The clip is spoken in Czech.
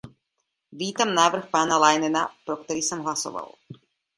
Vítám návrh pana Leinena, pro který jsem hlasoval.